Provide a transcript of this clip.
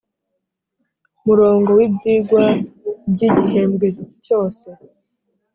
murongo w ibyigwa by igihembwe cyose